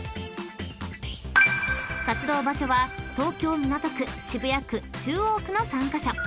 ［活動場所は東京港区渋谷区中央区の３カ所］